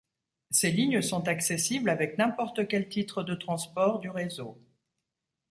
Ces lignes sont accessibles avec n'importe quel titre de transport du réseau.